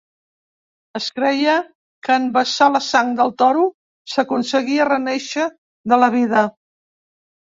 Es creia que en vessar la sang del toro s'aconseguia renéixer de la vida.